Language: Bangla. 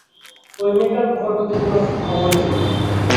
ঐ মেয়েটার খবর বাদে কোনো খবরই নেই।